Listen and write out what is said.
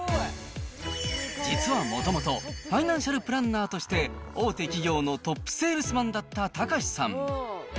実はもともと、ファイナンシャルプランナーとして大手企業のトップセールスマンだったタカシさん。